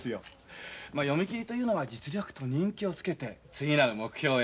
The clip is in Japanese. まあ読み切りというのは実力と人気をつけて次なる目標へ。